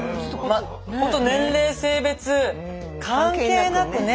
ほんと年齢性別関係なくね。